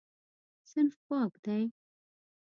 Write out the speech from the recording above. صنف پاک دی.